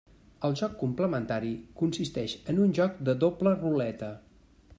El joc complementari consisteix en un joc de doble ruleta.